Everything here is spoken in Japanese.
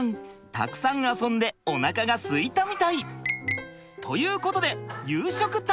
たくさん遊んでおなかがすいたみたい。ということで夕食タイム！